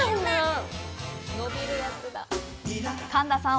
神田さん